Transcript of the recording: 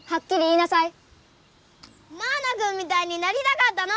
マウナくんみたいになりたかったの！